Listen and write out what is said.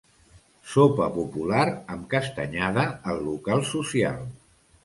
Sopar popular amb castanyada al local social.